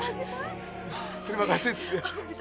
terima kasih siti